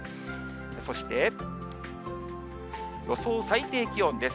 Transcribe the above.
そして、予想最低気温です。